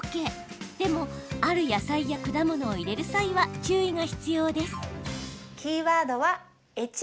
でも、ある野菜や果物を入れる際は注意が必要です。